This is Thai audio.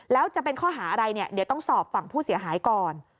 แล้วจะเป็นข้อหาอะไรเนี่ยเดี๋ยวต้องสอบฝั่งผู้เสียหายก่อน